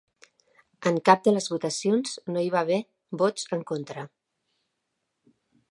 En cap de les votacions no hi va haver vots en contra.